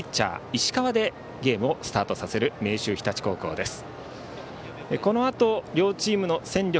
石川でゲームをスタートさせる明秀日立高校です。